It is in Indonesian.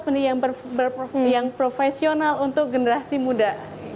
seni yang profesional untuk generasi muda